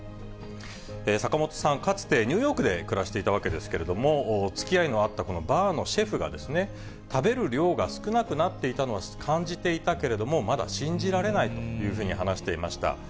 坂本さん、かつてニューヨークで暮らしていたわけですけれども、つきあいのあったこのバーのシェフが、食べる量が少なくなっていたのは感じていたけれども、まだ信じられないというふうに話していました。